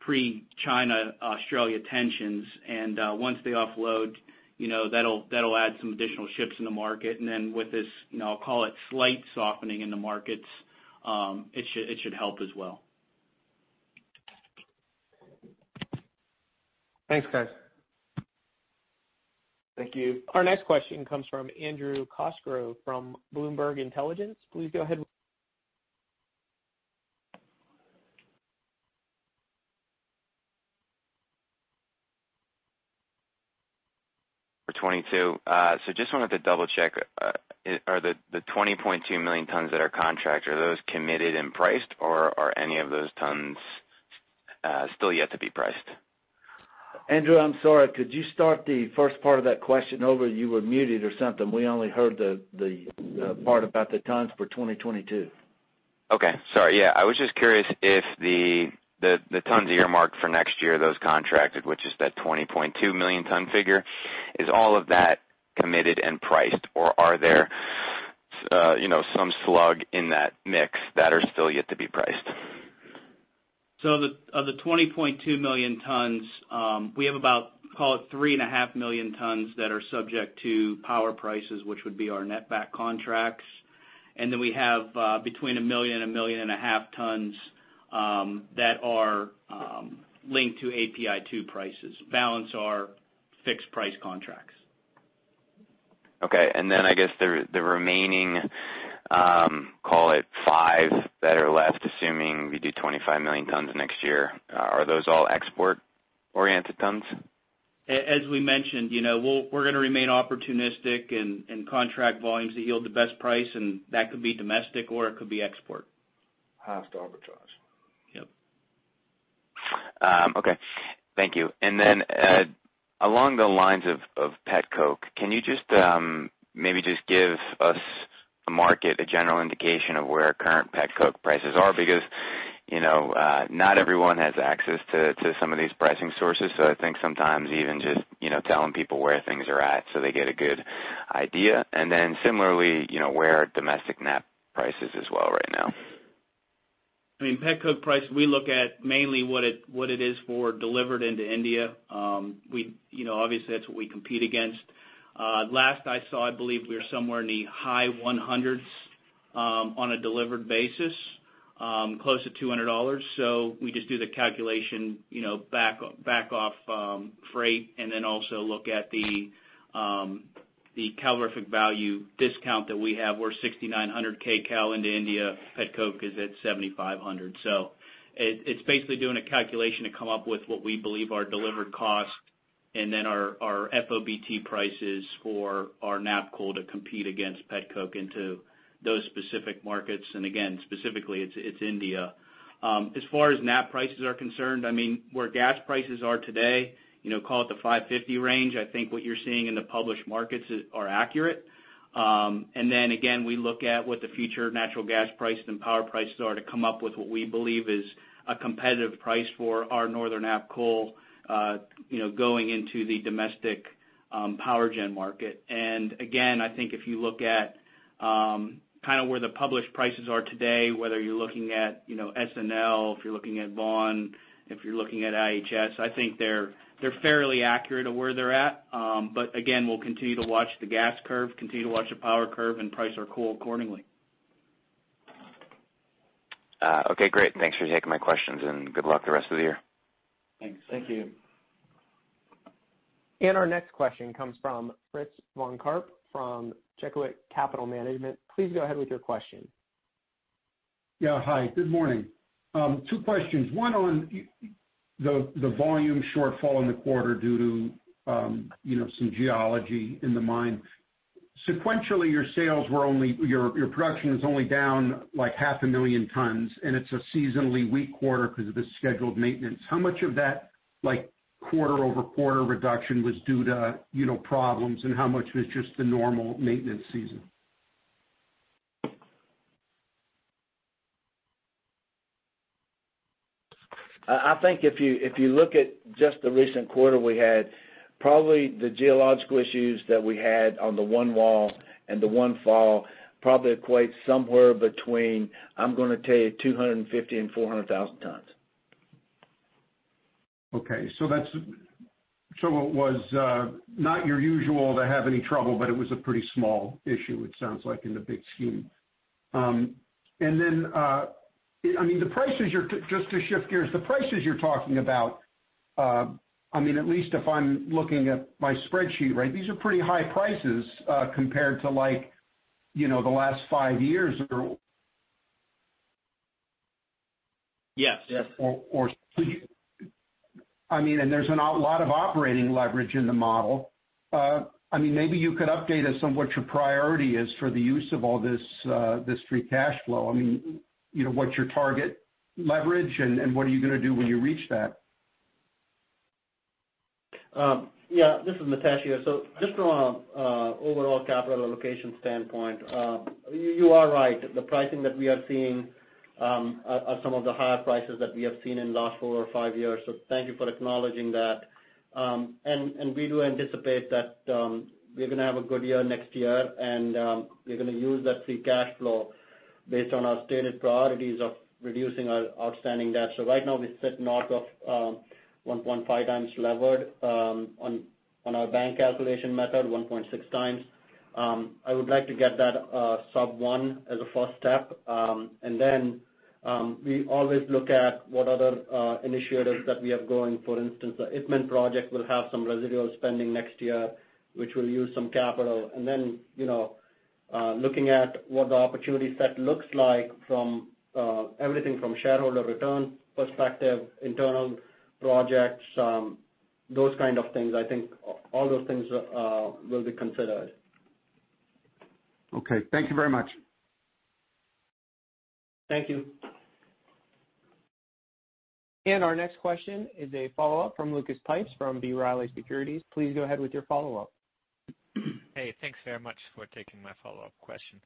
pre-China-Australia tensions. Once they offload, that will add some additional ships in the market. With this, I'll call it slight softening in the markets, it should help as well. Thanks, guys. Thank you. Our next question comes from Andrew Cosgrove from Bloomberg Intelligence. Please go ahead. For 2022. Just wanted to double-check, are the 20.2 million tons that are contracted, are those committed and priced, or are any of those tons still yet to be priced? Andrew, I'm sorry. Could you start the first part of that question over? You were muted or something. We only heard the part about the tons for 2022. Okay. Sorry. Yeah. I was just curious if the tons that you're marked for next year, those contracted, which is that 20.2 million ton figure, is all of that committed and priced, or are there some slug in that mix that are still yet to be priced? Of the 20.2 million tons, we have about, call it, three and a half million tons that are subject to power prices, which would be our NETBACK contracts. Then we have between a million and a million and a half tons that are linked to API2 prices. Balance are fixed price contracts. Okay. I guess the remaining, call it, five that are left, assuming we do 25 million tons next year, are those all export-oriented tons? As we mentioned, we're going to remain opportunistic and contract volumes that yield the best price, and that could be domestic or it could be export. Has to arbitrage. Yep. Okay. Thank you. Along the lines of PETCO, can you just maybe give us, the market, a general indication of where current PETCO prices are? Because not everyone has access to some of these pricing sources. I think sometimes even just telling people where things are at so they get a good idea. Similarly, where are domestic NET prices as well right now? I mean, PETCO price, we look at mainly what it is for delivered into India. Obviously, that's what we compete against. Last I saw, I believe we were somewhere in the high 100s on a delivered basis, close to $200. We just do the calculation back off freight and then also look at the calorific value discount that we have. We're 6,900 K cal into India. PETCO is at 7,500. It's basically doing a calculation to come up with what we believe our delivered cost and then our FOBT prices for our NAP coal to compete against PETCO into those specific markets. Specifically, it's India. As far as NAP prices are concerned, where gas prices are today, call it the 550 range, I think what you're seeing in the published markets are accurate. We look at what the future natural gas price and power prices are to come up with what we believe is a competitive price for our Northern App coal going into the domestic power gen market. I think if you look at kind of where the published prices are today, whether you're looking at SNL, if you're looking at Vaughn, if you're looking at IHS, I think they're fairly accurate of where they're at. We'll continue to watch the gas curve, continue to watch the power curve, and price our coal accordingly. Okay. Great. Thanks for taking my questions, and good luck the rest of the year. Thanks. Thank you. Our next question comes from Fritz von Karp from Checkowick Capital Management. Please go ahead with your question. Yeah. Hi. Good morning. Two questions. One on the volume shortfall in the quarter due to some geology in the mine. Sequentially, your sales were only your production is only down $500,000 tons, and it's a seasonally weak quarter because of the scheduled maintenance. How much of that quarter-over-quarter reduction was due to problems, and how much was just the normal maintenance season? I think if you look at just the recent quarter we had, probably the geological issues that we had on the one wall and the one fall probably equates somewhere between, I'm going to tell you, 250,000 and 400,000 tons. Okay. Trouble was not your usual to have any trouble, but it was a pretty small issue, it sounds like, in the big scheme. I mean, the prices, just to shift gears, the prices you're talking about, I mean, at least if I'm looking at my spreadsheet right, these are pretty high prices compared to the last five years or. Yes. I mean, and there's a lot of operating leverage in the model. I mean, maybe you could update us on what your priority is for the use of all this free cash flow. I mean, what's your target leverage, and what are you going to do when you reach that? Yeah. This is Mitesh here. Just from an overall capital allocation standpoint, you are right. The pricing that we are seeing are some of the higher prices that we have seen in the last four or five years. Thank you for acknowledging that. We do anticipate that we're going to have a good year next year, and we're going to use that free cash flow based on our stated priorities of reducing our outstanding debt. Right now, we sit north of 1.5 times levered on our bank calculation method, 1.6 times. I would like to get that sub one as a first step. We always look at what other initiatives that we have going. For instance, the Itmann project will have some residual spending next year, which will use some capital. Looking at what the opportunity set looks like from everything from shareholder return perspective, internal projects, those kind of things. I think all those things will be considered. Okay. Thank you very much. Thank you. Our next question is a follow-up from Lucas Pipes from B. Riley Securities. Please go ahead with your follow-up. Hey, thanks very much for taking my follow-up question.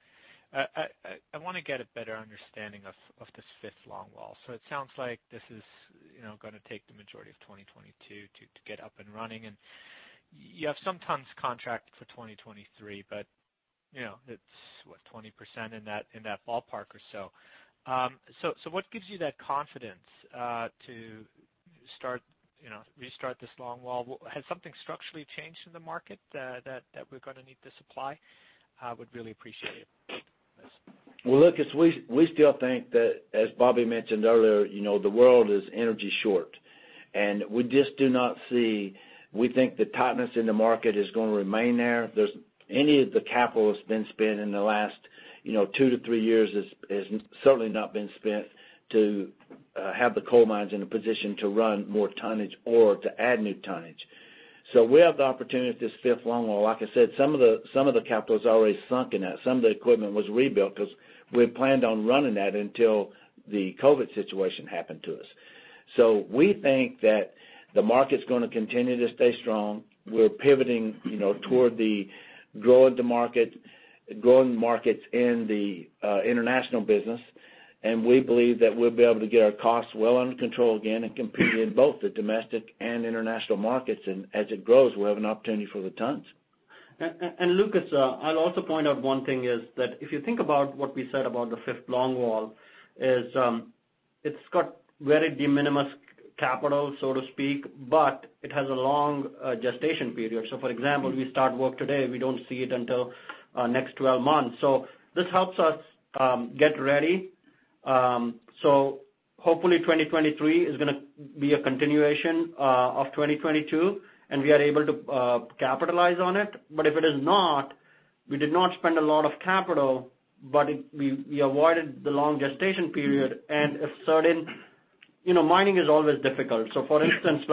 I want to get a better understanding of this fifth longwall. It sounds like this is going to take the majority of 2022 to get up and running. You have some tons contracted for 2023, but it's, what, 20% in that ballpark or so? What gives you that confidence to restart this longwall? Has something structurally changed in the market that we're going to need to supply? I would really appreciate it. Lucas, we still think that, as Bobby mentioned earlier, the world is energy short. We just do not see—we think the tightness in the market is going to remain there. Any of the capital that's been spent in the last two to three years has certainly not been spent to have the coal mines in a position to run more tonnage or to add new tonnage. We have the opportunity with this fifth longwall. Like I said, some of the capital has already sunk in that. Some of the equipment was rebuilt because we had planned on running that until the COVID situation happened to us. We think that the market's going to continue to stay strong. We're pivoting toward the growing markets in the international business. We believe that we'll be able to get our costs well under control again and compete in both the domestic and international markets. As it grows, we'll have an opportunity for the tons. Lucas, I'll also point out one thing is that if you think about what we said about the fifth longwall, it's got very de minimis capital, so to speak, but it has a long gestation period. For example, we start work today, we don't see it until next 12 months. This helps us get ready. Hopefully, 2023 is going to be a continuation of 2022, and we are able to capitalize on it. If it is not, we did not spend a lot of capital, but we avoided the long gestation period. Certain mining is always difficult. For instance,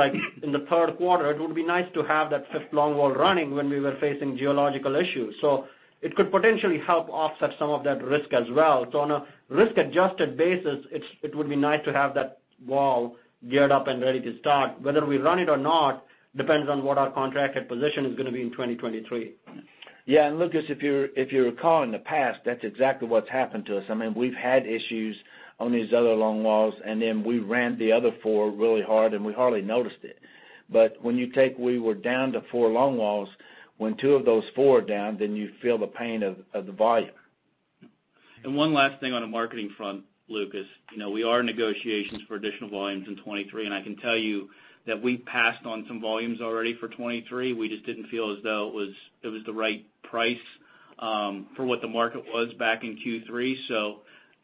in the third quarter, it would be nice to have that fifth longwall running when we were facing geological issues. It could potentially help offset some of that risk as well. On a risk-adjusted basis, it would be nice to have that wall geared up and ready to start. Whether we run it or not depends on what our contracted position is going to be in 2023. Yeah. Lucas, if you recall in the past, that's exactly what's happened to us. I mean, we've had issues on these other longwalls, and then we ran the other four really hard, and we hardly noticed it. When you take we were down to four longwalls, when two of those four are down, then you feel the pain of the volume. One last thing on a marketing front, Lucas, we are in negotiations for additional volumes in 2023. I can tell you that we passed on some volumes already for 2023. We just did not feel as though it was the right price for what the market was back in Q3.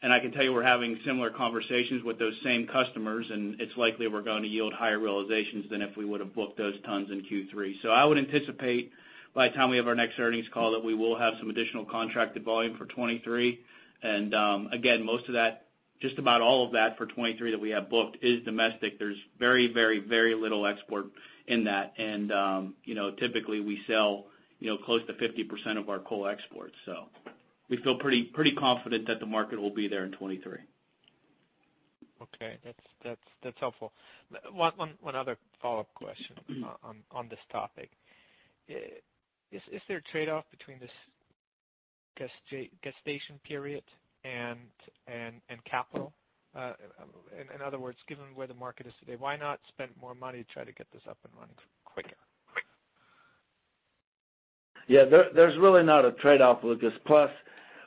I can tell you we are having similar conversations with those same customers, and it is likely we are going to yield higher realizations than if we would have booked those tons in Q3. I would anticipate by the time we have our next earnings call that we will have some additional contracted volume for 2023. Again, most of that, just about all of that for 2023 that we have booked is domestic. There is very, very, very little export in that. Typically, we sell close to 50% of our coal exports. We feel pretty confident that the market will be there in 2023. Okay. That's helpful. One other follow-up question on this topic. Is there a trade-off between this gestation period and capital? In other words, given where the market is today, why not spend more money to try to get this up and running quicker? Yeah. There's really not a trade-off, Lucas. Plus,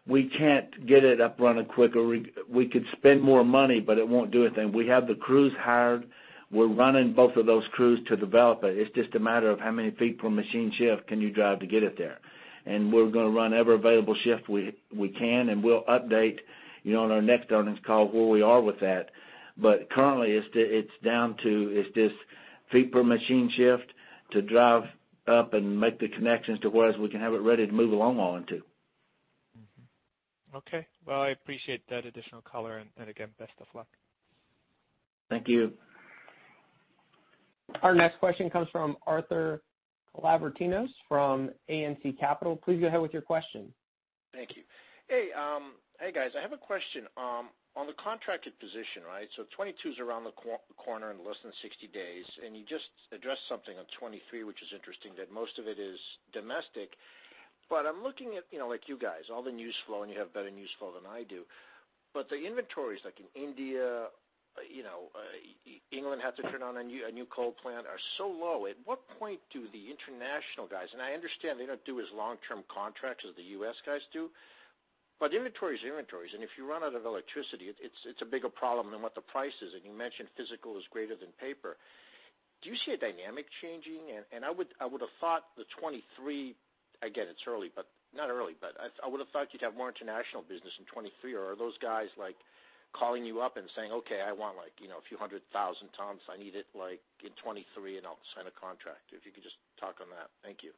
we can't get it up and running quicker. We could spend more money, but it won't do anything. We have the crews hired. We're running both of those crews to develop it. It's just a matter of how many feet per machine shift can you drive to get it there? We're going to run every available shift we can, and we'll update on our next earnings call where we are with that. Currently, it's down to is this feet per machine shift to drive up and make the connections to where we can have it ready to move a longwall into. Okay. I appreciate that additional color. Again, best of luck. Thank you. Our next question comes from Arthur Collabertinos from ANC Capital. Please go ahead with your question. Thank you. Hey, guys. I have a question. On the contracted position, right, so 2022 is around the corner in less than 60 days, and you just addressed something on 2023, which is interesting, that most of it is domestic. I am looking at, like you guys, all the news flow, and you have better news flow than I do. The inventories in India, England has to turn on a new coal plant, are so low. At what point do the international guys—I understand they do not do as long-term contracts as the U.S. guys do—but inventory is inventory. If you run out of electricity, it is a bigger problem than what the price is. You mentioned physical is greater than paper. Do you see a dynamic changing? I would have thought the 2023—again, it's early, but not early—but I would have thought you'd have more international business in 2023. Are those guys calling you up and saying, "Okay, I want a few hundred thousand tons. I need it in 2023, and I'll sign a contract." If you could just talk on that. Thank you.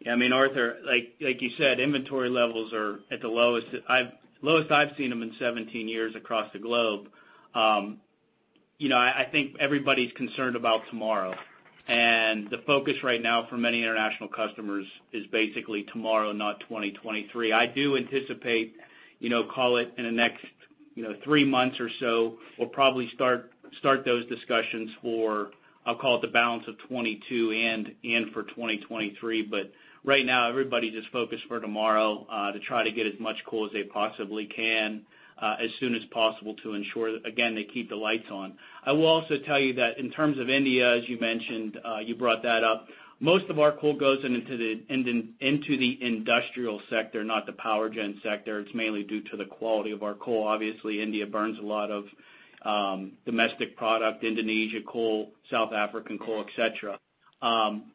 Yeah. I mean, Arthur, like you said, inventory levels are at the lowest I've seen them in 17 years across the globe. I think everybody's concerned about tomorrow. The focus right now for many international customers is basically tomorrow, not 2023. I do anticipate, call it in the next three months or so, we'll probably start those discussions for, I'll call it the balance of 2022 and for 2023. Right now, everybody's just focused for tomorrow to try to get as much coal as they possibly can as soon as possible to ensure, again, they keep the lights on. I will also tell you that in terms of India, as you mentioned, you brought that up, most of our coal goes into the industrial sector, not the power gen sector. It's mainly due to the quality of our coal. Obviously, India burns a lot of domestic product: Indonesian coal, South African coal, etc.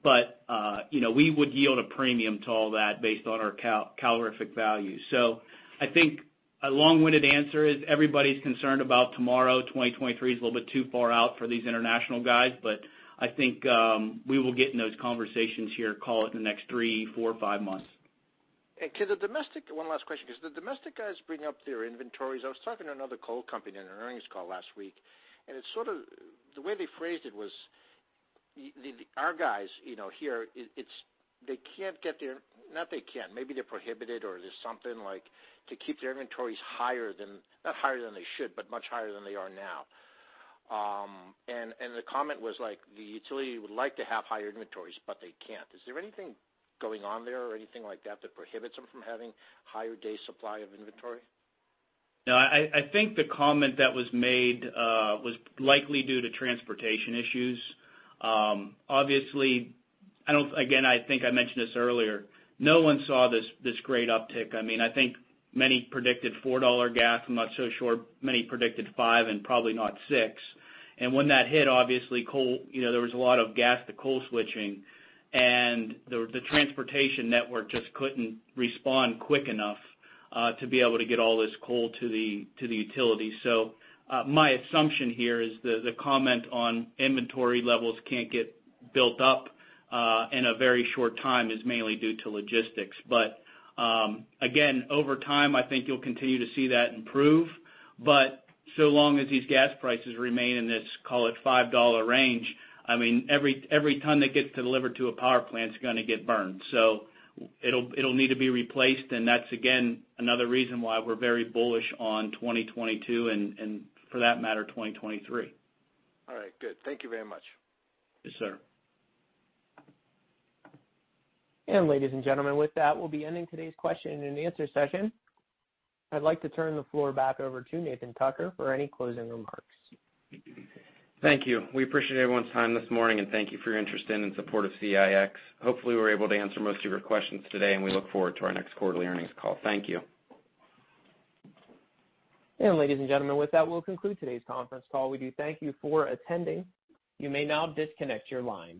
We would yield a premium to all that based on our calorific value. I think a long-winded answer is everybody's concerned about tomorrow. 2023 is a little bit too far out for these international guys. I think we will get in those conversations here, call it in the next three, four, five months. To the domestic—one last question—because the domestic guys bring up their inventories. I was talking to another coal company in an earnings call last week. The way they phrased it was our guys here, they can't get their—not they can't, maybe they're prohibited or there's something—to keep their inventories higher than—not higher than they should, but much higher than they are now. The comment was the utility would like to have higher inventories, but they can't. Is there anything going on there or anything like that that prohibits them from having higher-day supply of inventory? No. I think the comment that was made was likely due to transportation issues. Obviously, again, I think I mentioned this earlier, no one saw this great uptick. I mean, I think many predicted $4 gas, I'm not so sure. Many predicted 5 and probably not 6. When that hit, obviously, there was a lot of gas to coal switching. The transportation network just could not respond quick enough to be able to get all this coal to the utility. My assumption here is the comment on inventory levels cannot get built up in a very short time is mainly due to logistics. Again, over time, I think you will continue to see that improve. As long as these gas prices remain in this, call it, $5 range, I mean, every ton that gets delivered to a power plant is going to get burned. It'll need to be replaced. That's, again, another reason why we're very bullish on 2022 and, for that matter, 2023. All right. Good. Thank you very much. Yes, sir. Ladies and gentlemen, with that, we'll be ending today's question and answer session. I'd like to turn the floor back over to Nathan Tucker for any closing remarks. Thank you. We appreciate everyone's time this morning, and thank you for your interest in and support of Core Natural Resources. Hopefully, we were able to answer most of your questions today, and we look forward to our next quarterly earnings call. Thank you. Ladies and gentlemen, with that, we'll conclude today's conference call. We do thank you for attending. You may now disconnect your line.